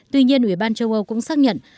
tuy nhiên ủy ban châu âu cũng xác nhận